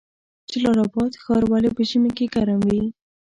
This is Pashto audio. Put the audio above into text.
جلال اباد ښار ولې په ژمي کې ګرم وي؟